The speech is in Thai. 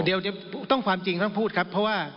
เดี๋ยวต้องความจริงต้องพูดครับเพราะว่า